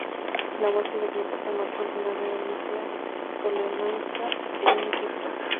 La muerte de Cleopatra marcó el final de la dinastía ptolemaica en Egipto.